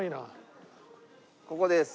ここです。